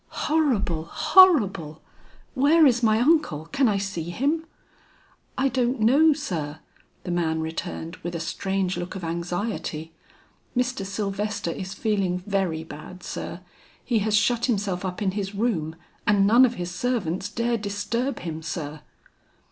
"Horrible, horrible! Where is my uncle, can I see him?" "I don't know, sir," the man returned with a strange look of anxiety. "Mr. Sylvester is feeling very bad, sir. He has shut himself up in his room and none of his servants dare disturb him, sir."